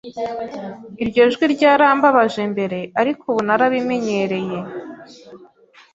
Iryo jwi ryarambabaje mbere, ariko ubu narabimenyereye.